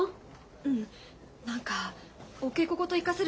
うん何かお稽古事生かせる